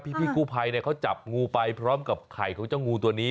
พี่กู้ภัยเขาจับงูไปพร้อมกับไข่ของเจ้างูตัวนี้